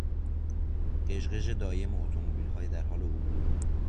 غژ غژ دایم اتومبیلهای درحال عبور